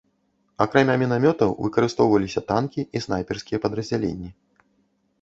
Акрамя мінамётаў выкарыстоўваліся танкі і снайперскія падраздзяленні.